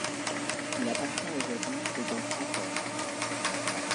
Il appartient aujourd'hui au groupe Accor.